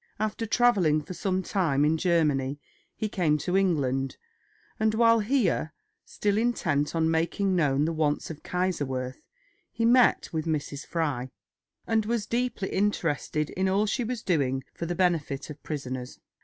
After travelling for some time in Germany, he came to England, and while here, still intent on making known the wants of Kaiserswerth, he met with Mrs. Fry, and was deeply interested in all she was doing for the benefit of prisoners.